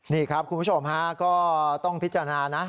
นี่ครับคุณผู้ชมฮะก็ต้องพิจารณานะ